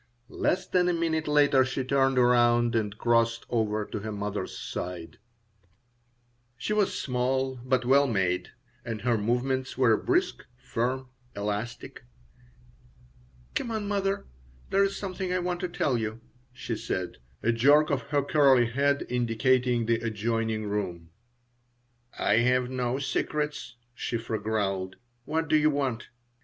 Less than a minute later she turned around and crossed over to her mother's side She was small, but well made, and her movements were brisk, firm, elastic "Come on, mother, there's something I want to tell you," she said, a jerk of her curly head indicating the adjoining room "I have no secrets," Shiphrah growled. "What do you want?"